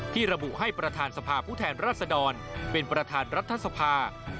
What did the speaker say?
ระบุให้ประธานสภาผู้แทนรัศดรเป็นประธานรัฐสภา